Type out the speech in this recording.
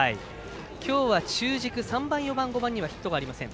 今日は中軸３番、４番、５番にはヒットがありません。